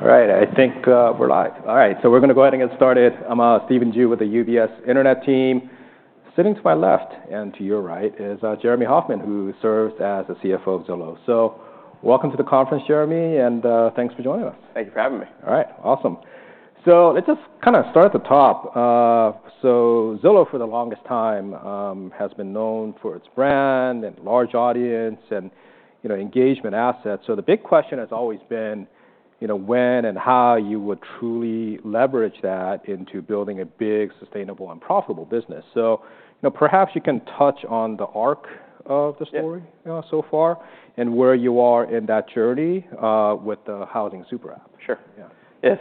All right. I think we're live. All right. We're going to go ahead and get started. I'm Stephen Ju with the UBS Internet team. Sitting to my left and to your right is Jeremy Hofmann, who serves as the CFO of Zillow. Welcome to the conference, Jeremy, and thanks for joining us. Thank you for having me. All right. Awesome. Let's just kind of start at the top. Zillow, for the longest time, has been known for its brand and large audience and engagement assets. The big question has always been when and how you would truly leverage that into building a big, sustainable, and profitable business. Perhaps you can touch on the arc of the story so far and where you are in that journey with the Housing Super App. Sure. Yeah.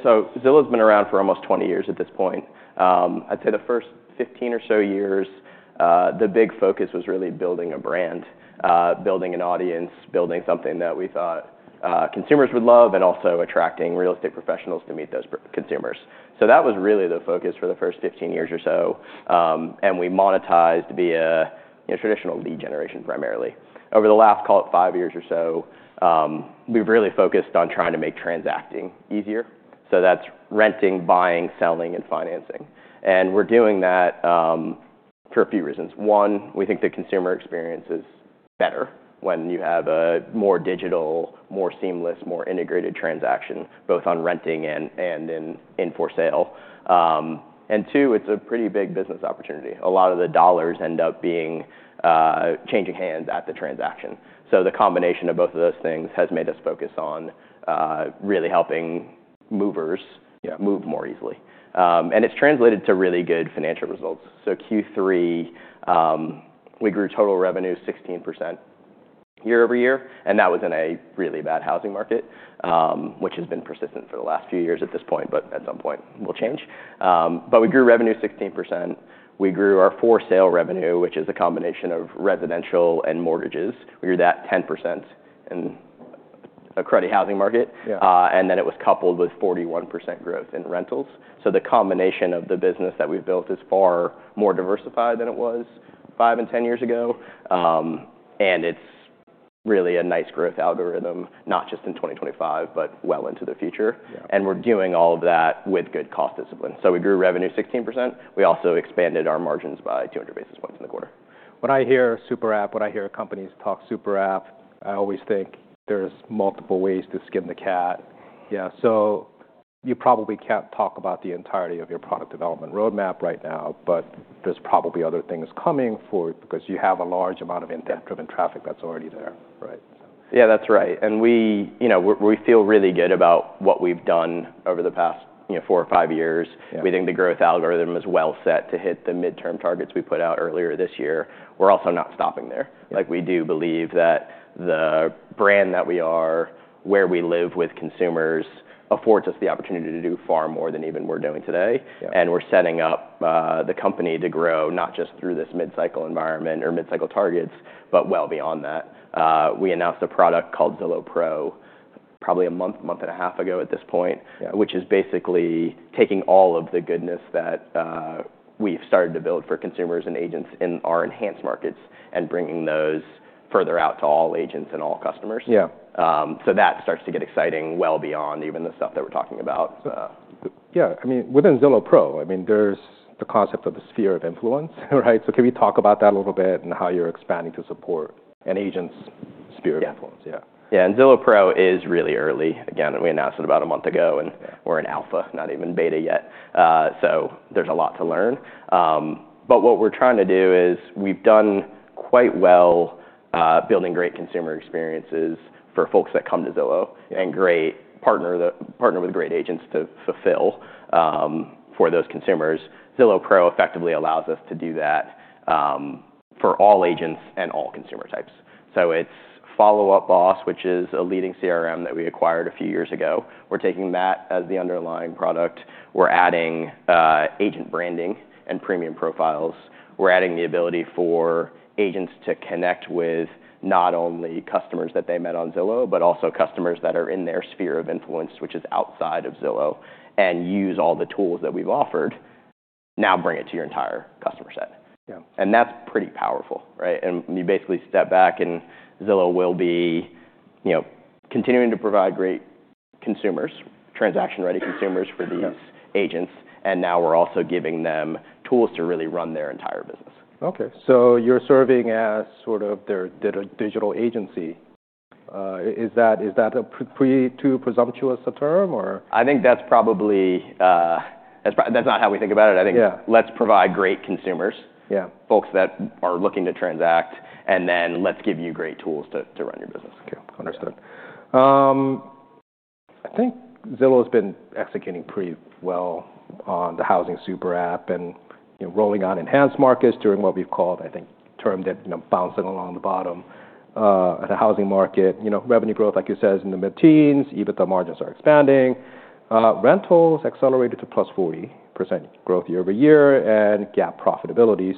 Zillow's been around for almost 20 years at this point. I'd say the first 15 or so years, the big focus was really building a brand, building an audience, building something that we thought consumers would love, and also attracting real estate professionals to meet those consumers. That was really the focus for the first 15 years or so. We monetized via traditional lead generation primarily. Over the last, call it, five years or so, we've really focused on trying to make transacting easier. That's renting, buying, selling, and financing. We're doing that for a few reasons. One, we think the consumer experience is better when you have a more digital, more seamless, more integrated transaction, both on renting and in for sale. Two, it's a pretty big business opportunity. A lot of the dollars end up changing hands at the transaction. The combination of both of those things has made us focus on really helping movers move more easily. It's translated to really good financial results. Q3, we grew total revenue 16% year over year. That was in a really bad housing market, which has been persistent for the last few years at this point, but at some point will change. We grew revenue 16%. We grew our for-sale revenue, which is a combination of residential and mortgages. We grew that 10% in a cruddy housing market. It was coupled with 41% growth in rentals. The combination of the business that we've built is far more diversified than it was five and 10 years ago. It's really a nice growth algorithm, not just in 2025, but well into the future. We're doing all of that with good cost discipline. We grew revenue 16%. We also expanded our margins by 200 basis points in the quarter. When I hear Super App, when I hear companies talk Super App, I always think there's multiple ways to skin the cat. Yeah. You probably can't talk about the entirety of your product development roadmap right now, but there's probably other things coming because you have a large amount of in-depth driven traffic that's already there, right? Yeah, that's right. We feel really good about what we've done over the past four or five years. We think the growth algorithm is well set to hit the midterm targets we put out earlier this year. We're also not stopping there. We do believe that the brand that we are, where we live with consumers, affords us the opportunity to do far more than even we're doing today. We're setting up the company to grow not just through this midcycle environment or midcycle targets, but well beyond that. We announced a product called Zillow Pro probably a month, month and a half ago at this point, which is basically taking all of the goodness that we've started to build for consumers and agents in our enhanced markets and bringing those further out to all agents and all customers. Yeah. That starts to get exciting well beyond even the stuff that we're talking about. Yeah. I mean, within Zillow Pro, I mean, there's the concept of the sphere of influence. Right? Can we talk about that a little bit and how you're expanding to support an agent's sphere of influence? Yeah. Yeah. Zillow Pro is really early. Again, we announced it about a month ago, and we're in alpha, not even beta yet. There is a lot to learn. What we're trying to do is we've done quite well building great consumer experiences for folks that come to Zillow and partner with great agents to fulfill for those consumers. Zillow Pro effectively allows us to do that for all agents and all consumer types. It's Follow Up Boss, which is a leading CRM that we acquired a few years ago. We're taking that as the underlying product. We're adding agent branding and premium profiles. We're adding the ability for agents to connect with not only customers that they met on Zillow, but also customers that are in their sphere of influence, which is outside of Zillow, and use all the tools that we've offered, now bring it to your entire customer set. That's pretty powerful. Right? You basically step back, and Zillow will be continuing to provide great consumers, transaction-ready consumers for these agents. Now we're also giving them tools to really run their entire business. OK. So you're serving as sort of their digital agency. Is that too presumptuous a term, or? I think that's probably not how we think about it. I think let's provide great consumers, folks that are looking to transact, and then let's give you great tools to run your business. OK. Understood. I think Zillow has been executing pretty well on the Housing Super App and rolling on enhanced markets, doing what we've called, I think, termed it bouncing along the bottom at the housing market. Revenue growth, like you said, is in the mid-teens. EBITDA margins are expanding. Rentals accelerated to plus 40% growth year over year and gap profitability.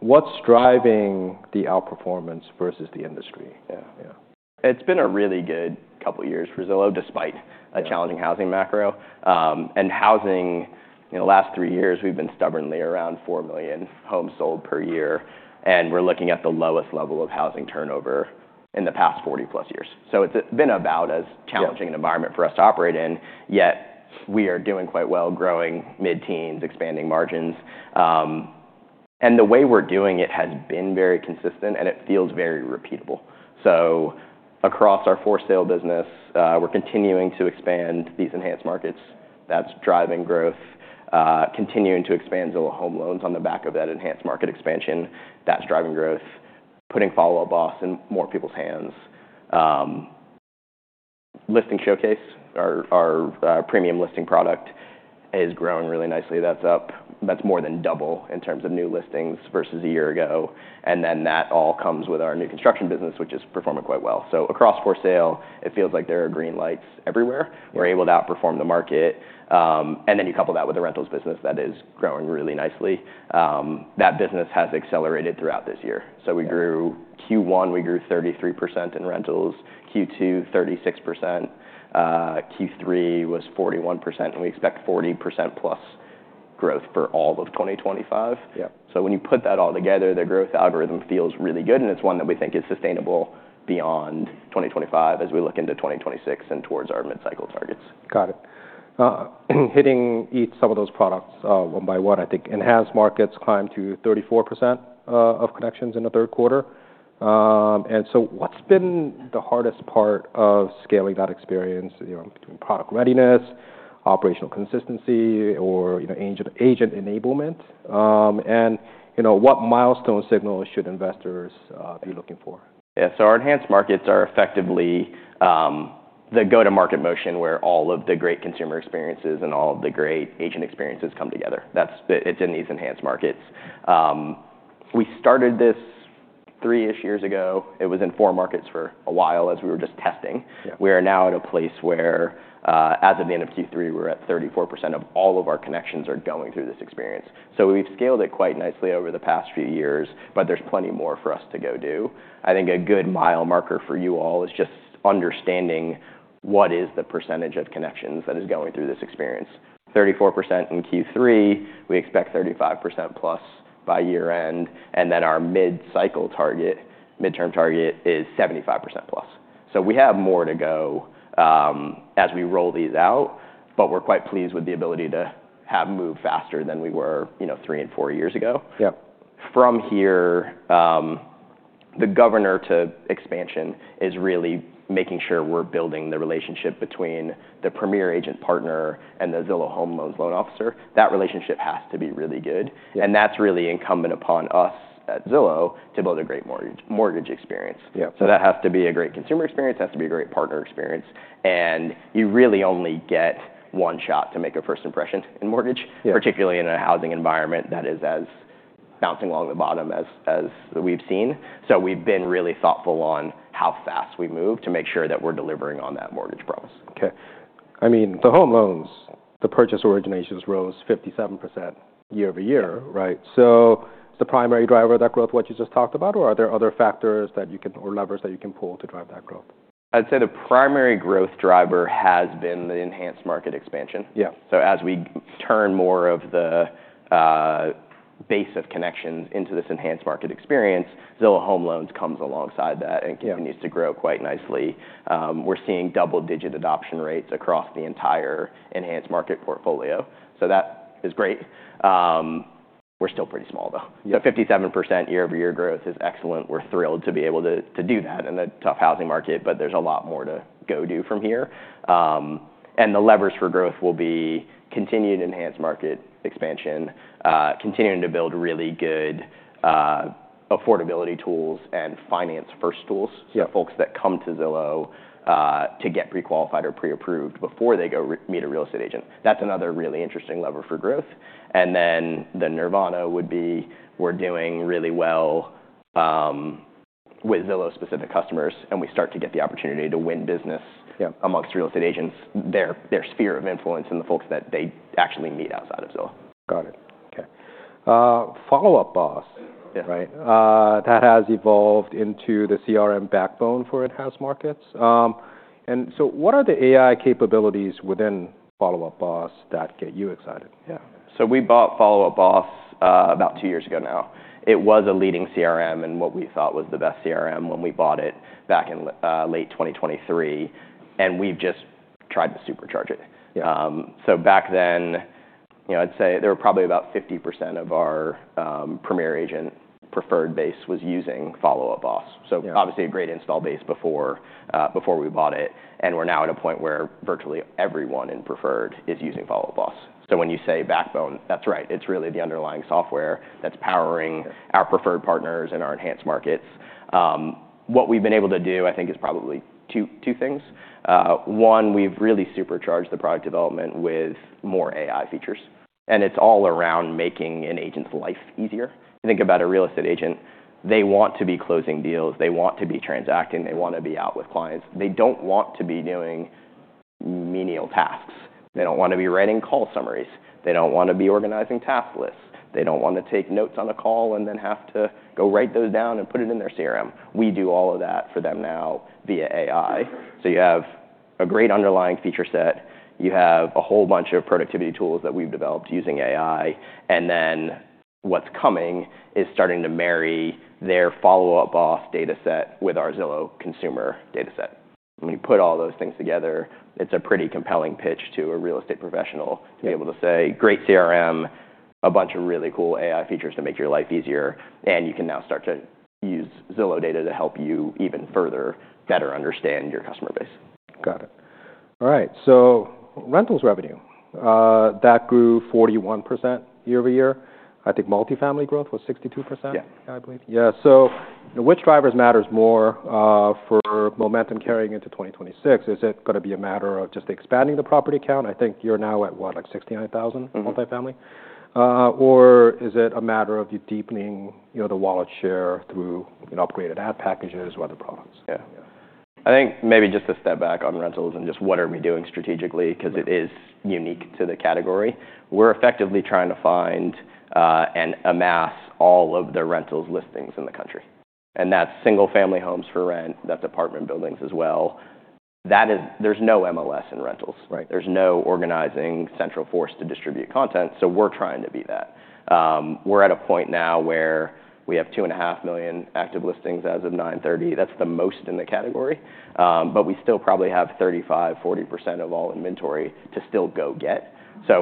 What's driving the outperformance versus the industry? Yeah. It's been a really good couple of years for Zillow, despite a challenging housing macro. In housing, in the last three years, we've been stubbornly around 4 million homes sold per year. We're looking at the lowest level of housing turnover in the past 40+ years. It's been about as challenging an environment for us to operate in, yet we are doing quite well, growing mid-teens, expanding margins. The way we're doing it has been very consistent, and it feels very repeatable. Across our for-sale business, we're continuing to expand these enhanced markets. That's driving growth. Continuing to expand Zillow Home Loans on the back of that enhanced market expansion. That's driving growth. Putting Follow Up Boss in more people's hands. Listing Showcase, our premium listing product, is growing really nicely. That's more than double in terms of new listings versus a year ago. That all comes with our new construction business, which is performing quite well. Across for sale, it feels like there are green lights everywhere. We're able to outperform the market. You couple that with the rentals business that is growing really nicely. That business has accelerated throughout this year. We grew Q1, we grew 33% in rentals. Q2, 36%. Q3 was 41%. We expect 40%+ growth for all of 2025. When you put that all together, the growth algorithm feels really good. It's one that we think is sustainable beyond 2025 as we look into 2026 and towards our midcycle targets. Got it. Hitting each some of those products one by one, I think enhanced markets climbed to 34% of connections in the third quarter. What's been the hardest part of scaling that experience? Product readiness, operational consistency, or agent enablement? What milestone signals should investors be looking for? Yeah. Our enhanced markets are effectively the go-to-market motion where all of the great consumer experiences and all of the great agent experiences come together. It's in these enhanced markets. We started this three-ish years ago. It was in four markets for a while as we were just testing. We are now at a place where, as of the end of Q3, we're at 34% of all of our connections are going through this experience. We've scaled it quite nicely over the past few years, but there's plenty more for us to go do. I think a good mile marker for you all is just understanding what is the percentage of connections that is going through this experience. 34% in Q3. We expect 35%+ by year-end. Our midterm target is 75%+. We have more to go as we roll these out, but we're quite pleased with the ability to move faster than we were three and four years ago. From here, the governor to expansion is really making sure we're building the relationship between the Premier Agent partner and the Zillow Home Loans loan officer. That relationship has to be really good. That is really incumbent upon us at Zillow to build a great mortgage experience. That has to be a great consumer experience. It has to be a great partner experience. You really only get one shot to make a first impression in mortgage, particularly in a housing environment that is as bouncing along the bottom as we've seen. We have been really thoughtful on how fast we move to make sure that we're delivering on that mortgage promise. OK. I mean, the home loans, the purchase originations rose 57% year over year. Right? Is the primary driver of that growth what you just talked about, or are there other factors or levers that you can pull to drive that growth? I'd say the primary growth driver has been the enhanced market expansion. As we turn more of the base of connections into this enhanced market experience, Zillow Home Loans comes alongside that and continues to grow quite nicely. We're seeing double-digit adoption rates across the entire enhanced market portfolio. That is great. We're still pretty small, though. But 57% year-over-year growth is excellent. We're thrilled to be able to do that in a tough housing market, but there's a lot more to go do from here. The levers for growth will be continued enhanced market expansion, continuing to build really good affordability tools and finance-first tools. Folks that come to Zillow to get pre-qualified or pre-approved before they go meet a real estate agent. That's another really interesting lever for growth. The Nirvana would be we're doing really well with Zillow-specific customers, and we start to get the opportunity to win business amongst real estate agents, their sphere of influence, and the folks that they actually meet outside of Zillow. Got it. OK. Follow Up Boss, right, that has evolved into the CRM backbone for enhanced markets. What are the AI capabilities within Follow Up Boss that get you excited? Yeah. We bought Follow Up Boss about two years ago now. It was a leading CRM and what we thought was the best CRM when we bought it back in late 2023. We have just tried to supercharge it. Back then, I'd say there were probably about 50% of our Premier Agent preferred base was using Follow Up Boss. Obviously a great install base before we bought it. We are now at a point where virtually everyone in preferred is using Follow Up Boss. When you say backbone, that's right. It's really the underlying software that's powering our preferred partners and our enhanced markets. What we've been able to do, I think, is probably two things. One, we've really supercharged the product development with more AI features. It's all around making an agent's life easier. Think about a real estate agent. They want to be closing deals. They want to be transacting. They want to be out with clients. They don't want to be doing menial tasks. They don't want to be writing call summaries. They don't want to be organizing task lists. They don't want to take notes on a call and then have to go write those down and put it in their CRM. We do all of that for them now via AI. You have a great underlying feature set. You have a whole bunch of productivity tools that we've developed using AI. What's coming is starting to marry their Follow Up Boss data set with our Zillow consumer data set. When you put all those things together, it's a pretty compelling pitch to a real estate professional to be able to say, great CRM, a bunch of really cool AI features to make your life easier. You can now start to use Zillow data to help you even further better understand your customer base. Got it. All right. Rentals revenue, that grew 41% year over year. I think multifamily growth was 62%, I believe. Yeah. Which drivers matter more for momentum carrying into 2026? Is it going to be a matter of just expanding the property count? I think you're now at, what, like 69,000 multifamily? Or is it a matter of you deepening the wallet share through upgraded ad packages or other products? Yeah. I think maybe just a step back on rentals and just what are we doing strategically, because it is unique to the category. We're effectively trying to find and amass all of the rentals listings in the country. And that's single-family homes for rent, that's apartment buildings as well. There's no MLS in rentals. There's no organizing central force to distribute content. We're trying to be that. We're at a point now where we have 2.5 million active listings as of 9/30. That's the most in the category. We still probably have 35%-40% of all inventory to still go get.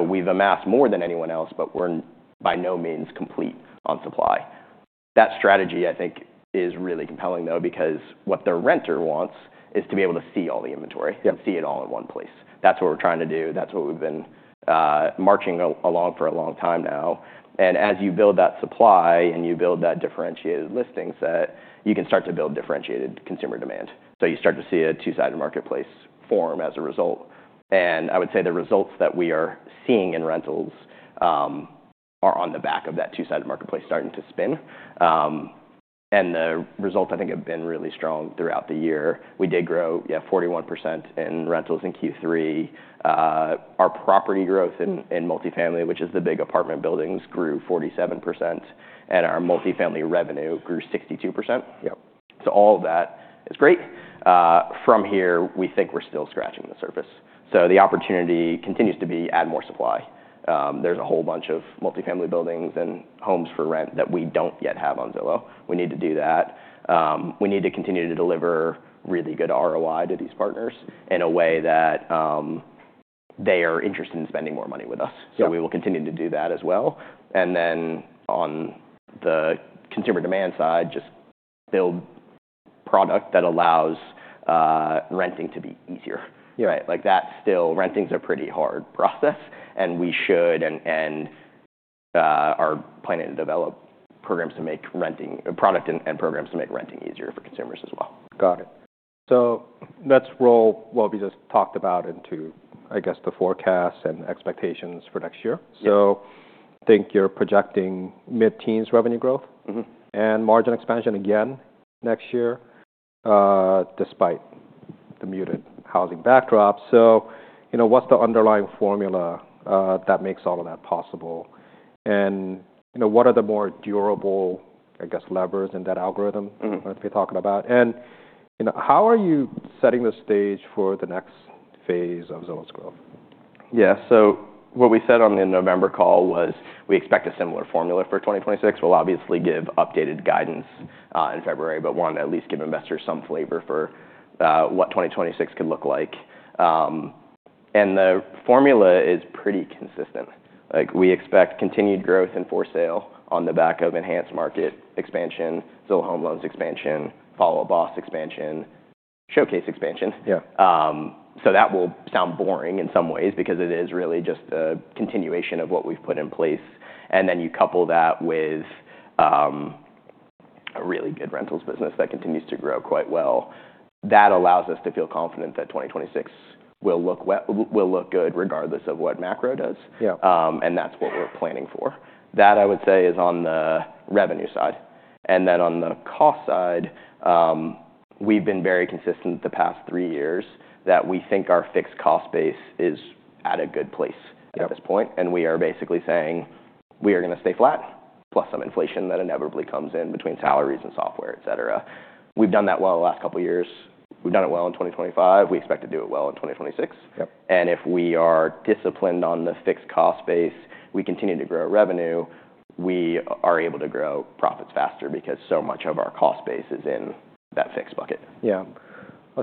We've amassed more than anyone else, but we're by no means complete on supply. That strategy, I think, is really compelling, though, because what the renter wants is to be able to see all the inventory and see it all in one place. That's what we're trying to do. That's what we've been marching along for a long time now. As you build that supply and you build that differentiated listing set, you can start to build differentiated consumer demand. You start to see a two-sided marketplace form as a result. I would say the results that we are seeing in rentals are on the back of that two-sided marketplace starting to spin. The results, I think, have been really strong throughout the year. We did grow, yeah, 41% in rentals in Q3. Our property growth in multifamily, which is the big apartment buildings, grew 47%. Our multifamily revenue grew 62%. All of that is great. From here, we think we're still scratching the surface. The opportunity continues to be add more supply. There's a whole bunch of multifamily buildings and homes for rent that we don't yet have on Zillow. We need to do that. We need to continue to deliver really good ROI to these partners in a way that they are interested in spending more money with us. We will continue to do that as well. On the consumer demand side, just build product that allows renting to be easier. Like that's still renting's a pretty hard process. We should and are planning to develop programs to make renting product and programs to make renting easier for consumers as well. Got it. Let's roll what we just talked about into, I guess, the forecasts and expectations for next year. I think you're projecting mid-teens revenue growth and margin expansion again next year, despite the muted housing backdrop. What's the underlying formula that makes all of that possible? What are the more durable, I guess, levers in that algorithm that we're talking about? How are you setting the stage for the next phase of Zillow's growth? Yeah. What we said on the November call was we expect a similar formula for 2026. We'll obviously give updated guidance in February, but want to at least give investors some flavor for what 2026 could look like. The formula is pretty consistent. We expect continued growth in for sale on the back of enhanced market expansion, Zillow Home Loans expansion, Follow Up Boss expansion, Showcase expansion. That will sound boring in some ways because it is really just a continuation of what we've put in place. You couple that with a really good rentals business that continues to grow quite well. That allows us to feel confident that 2026 will look good regardless of what macro does. That's what we're planning for. That, I would say, is on the revenue side. On the cost side, we have been very consistent the past three years that we think our fixed cost base is at a good place at this point. We are basically saying we are going to stay flat, plus some inflation that inevitably comes in between salaries and software, et cetera. We have done that well the last couple of years. We have done it well in 2025. We expect to do it well in 2026. If we are disciplined on the fixed cost base, we continue to grow revenue, we are able to grow profits faster because so much of our cost base is in that fixed bucket. Yeah.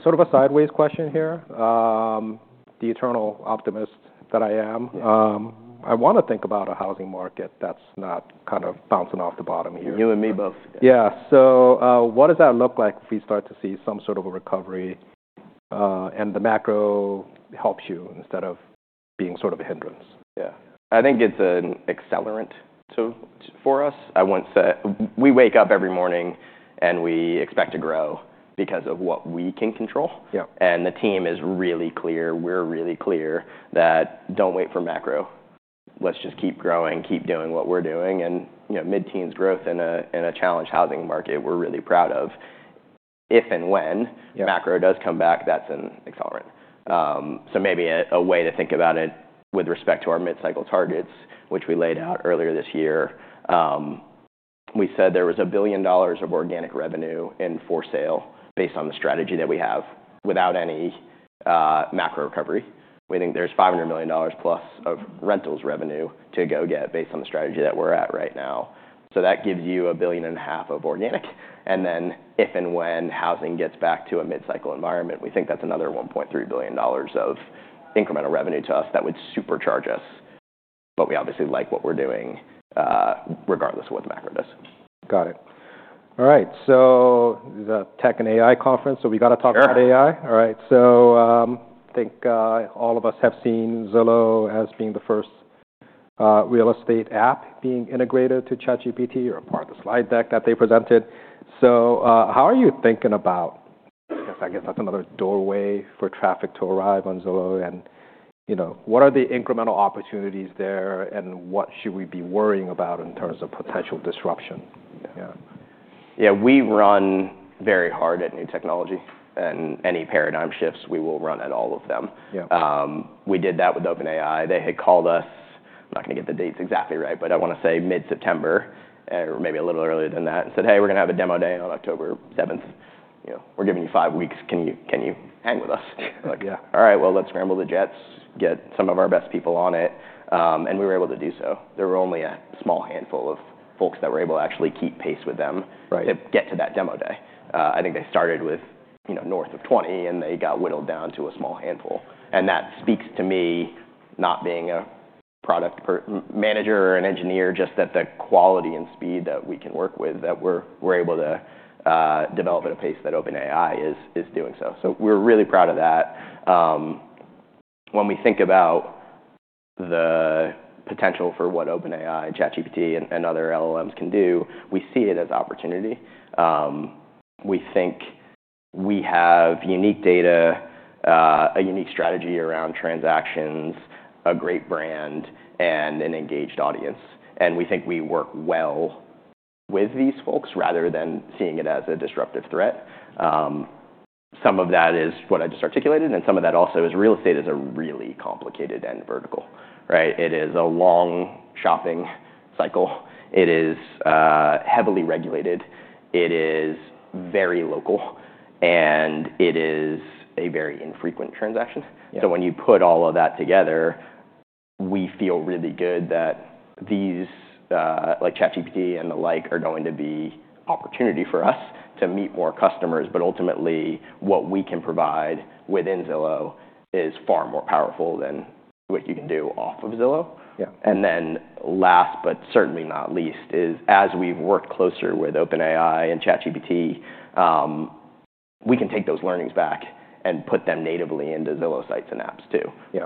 Sort of a sideways question here, the eternal optimist that I am. I want to think about a housing market that's not kind of bouncing off the bottom here. You and me both. Yeah. What does that look like if we start to see some sort of a recovery and the macro helps you instead of being sort of a hindrance? Yeah. I think it's an accelerant for us. We wake up every morning and we expect to grow because of what we can control. The team is really clear. We're really clear that don't wait for macro. Let's just keep growing, keep doing what we're doing. Mid-teens growth in a challenging housing market we're really proud of. If and when macro does come back, that's an accelerant. Maybe a way to think about it with respect to our midcycle targets, which we laid out earlier this year. We said there was $1 billion of organic revenue in for sale based on the strategy that we have without any macro recovery. We think there's $500 million plus of rentals revenue to go get based on the strategy that we're at right now. That gives you $1.5 billion of organic. If and when housing gets back to a midcycle environment, we think that's another $1.3 billion of incremental revenue to us that would supercharge us. We obviously like what we're doing regardless of what the macro does. Got it. All right. This is a tech and AI conference. We got to talk about AI. I think all of us have seen Zillow as being the first real estate app being integrated to ChatGPT or part of the slide deck that they presented. How are you thinking about, I guess, that's another doorway for traffic to arrive on Zillow? What are the incremental opportunities there? What should we be worrying about in terms of potential disruption? Yeah. We run very hard at new technology. Any paradigm shifts, we will run at all of them. We did that with OpenAI. They had called us, I'm not going to get the dates exactly right, but I want to say mid-September or maybe a little earlier than that and said, hey, we're going to have a demo day on October 7th. We're giving you five weeks. Can you hang with us? Yeah. All right. Let's scramble the jets, get some of our best people on it. We were able to do so. There were only a small handful of folks that were able to actually keep pace with them to get to that demo day. I think they started with north of 20, and they got whittled down to a small handful. That speaks to me not being a product manager or an engineer, just that the quality and speed that we can work with, that we're able to develop at a pace that OpenAI is doing so. We are really proud of that. When we think about the potential for what OpenAI, ChatGPT, and other LLMs can do, we see it as opportunity. We think we have unique data, a unique strategy around transactions, a great brand, and an engaged audience. We think we work well with these folks rather than seeing it as a disruptive threat. Some of that is what I just articulated. Some of that also is real estate is a really complicated and vertical. It is a long shopping cycle. It is heavily regulated. It is very local. It is a very infrequent transaction. When you put all of that together, we feel really good that these like ChatGPT and the like are going to be opportunity for us to meet more customers. Ultimately, what we can provide within Zillow is far more powerful than what you can do off of Zillow. Last, but certainly not least, is as we've worked closer with OpenAI and ChatGPT, we can take those learnings back and put them natively into Zillow sites and apps too.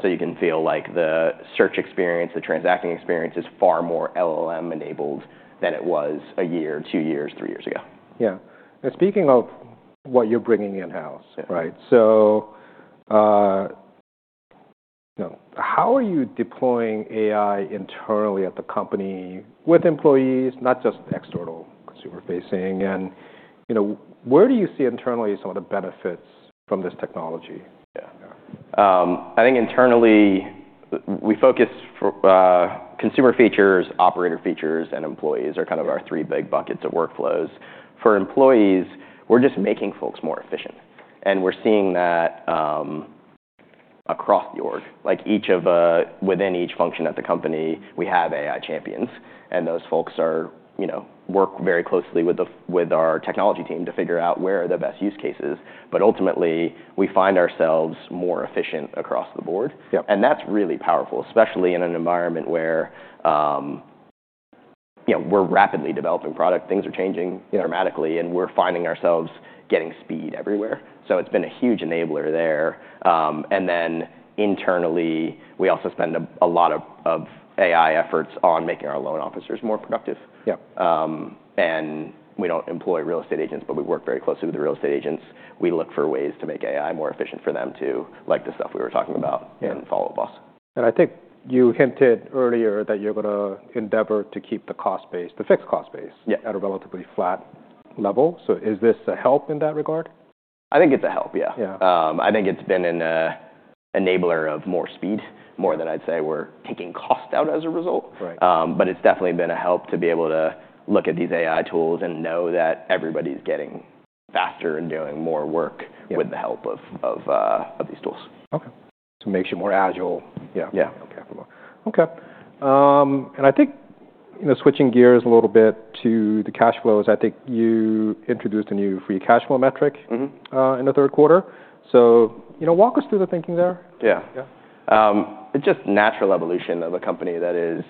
You can feel like the search experience, the transacting experience is far more LLM-enabled than it was a year, two years, three years ago. Yeah. Speaking of what you're bringing in-house, right? How are you deploying AI internally at the company with employees, not just external consumer facing? Where do you see internally some of the benefits from this technology? Yeah. I think internally, we focus consumer features, operator features, and employees are kind of our three big buckets of workflows. For employees, we're just making folks more efficient. We're seeing that across the org. Like within each function at the company, we have AI champions. Those folks work very closely with our technology team to figure out where are the best use cases. Ultimately, we find ourselves more efficient across the board. That's really powerful, especially in an environment where we're rapidly developing product. Things are changing dramatically. We're finding ourselves getting speed everywhere. It's been a huge enabler there. Internally, we also spend a lot of AI efforts on making our loan officers more productive. We don't employ real estate agents, but we work very closely with the real estate agents. We look for ways to make AI more efficient for them too, like the stuff we were talking about in Follow Up Boss. I think you hinted earlier that you're going to endeavor to keep the cost base, the fixed cost base, at a relatively flat level. Is this a help in that regard? I think it's a help, yeah. I think it's been an enabler of more speed, more than I'd say we're kicking cost out as a result. It's definitely been a help to be able to look at these AI tools and know that everybody's getting faster and doing more work with the help of these tools. Okay. So make sure more agile. Yeah. Okay. I think switching gears a little bit to the cash flows, I think you introduced a new free cash flow metric in the third quarter. Walk us through the thinking there. Yeah. It's just natural evolution of a company that is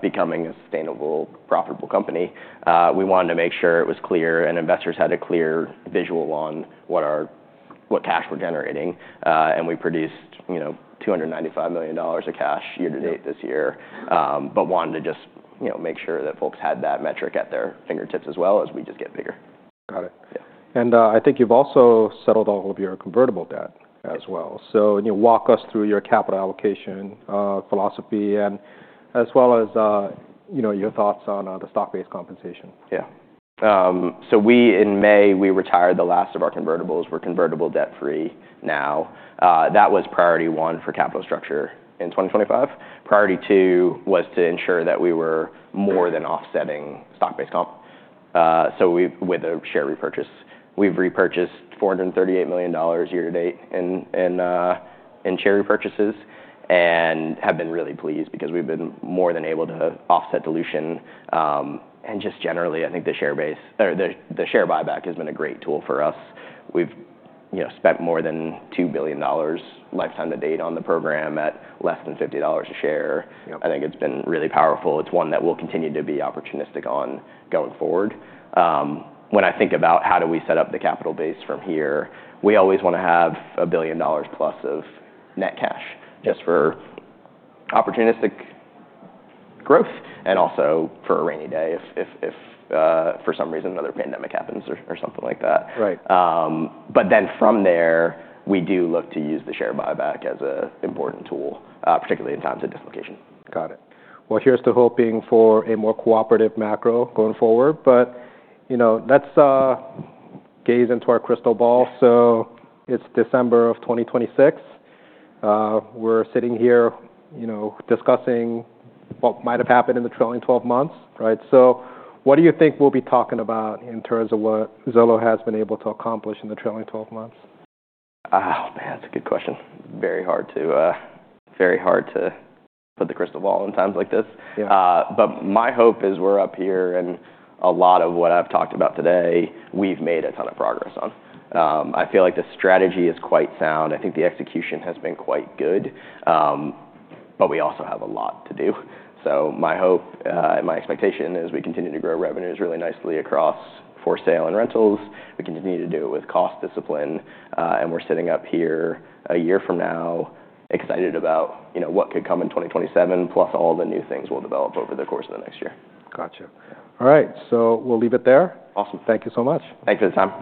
becoming a sustainable, profitable company. We wanted to make sure it was clear and investors had a clear visual on what cash we're generating. We produced $295 million of cash year to date this year, but wanted to just make sure that folks had that metric at their fingertips as well as we just get bigger. Got it. I think you've also settled all of your convertible debt as well. Walk us through your capital allocation philosophy and as well as your thoughts on the stock-based compensation. Yeah. In May, we retired the last of our convertibles. We're convertible debt-free now. That was priority one for capital structure in 2025. Priority two was to ensure that we were more than offsetting stock-based comp. With a share repurchase, we've repurchased $438 million year to date in share repurchases and have been really pleased because we've been more than able to offset dilution. I think the share buyback has been a great tool for us. We've spent more than $2 billion lifetime to date on the program at less than $50 a share. I think it's been really powerful. It's one that we'll continue to be opportunistic on going forward. When I think about how do we set up the capital base from here, we always want to have a billion dollars plus of net cash just for opportunistic growth and also for a rainy day if for some reason another pandemic happens or something like that. From there, we do look to use the share buyback as an important tool, particularly in times of dislocation. Got it. Here's to hoping for a more cooperative macro going forward. Let's gaze into our crystal ball. It's December of 2026. We're sitting here discussing what might have happened in the trailing 12 months. What do you think we'll be talking about in terms of what Zillow has been able to accomplish in the trailing 12 months? Oh, man, that's a good question. Very hard to put the crystal ball in times like this. My hope is we're up here and a lot of what I've talked about today, we've made a ton of progress on. I feel like the strategy is quite sound. I think the execution has been quite good. We also have a lot to do. My hope and my expectation is we continue to grow revenues really nicely across for sale and rentals. We continue to do it with cost discipline. We're sitting up here a year from now excited about what could come in 2027 plus all the new things we'll develop over the course of the next year. Gotcha. All right. We'll leave it there. Awesome. Thank you so much. Thanks for the time.